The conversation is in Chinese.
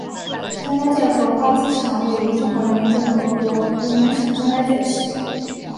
张家界荷花国际机场位于中华人民共和国湖南省张家界市。